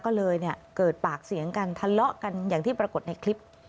ก็เลยเกิดปากเสียงกันทะเลาะกันอย่างที่ปรากฏในคลิป